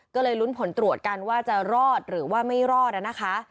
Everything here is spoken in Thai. ก็เลยลุ้นผลตรวจกันว่าจะรอดหรือว่าไม่รอดนะคะ